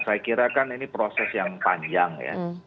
saya kira kan ini proses yang panjang ya